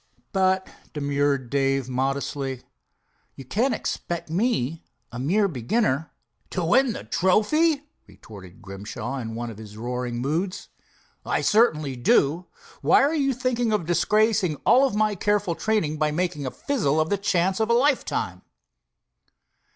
"But," demurred Dave modestly, "you can't expect me, a mere beginner—" "To win the trophy?" retorted Grimshaw, in one of his roaring moods. "I certainly do. Why, are you thinking of disgracing all my careful training, by making a fizzle of the chance of a lifetime!"